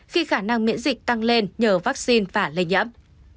khi khả năng miễn dịch tăng lên nhờ vaccine và lây nhiễm